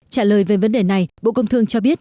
trả lời về vấn đề này bộ công thương cho biết